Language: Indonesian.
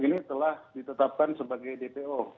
telah ditetapkan sebagai dpo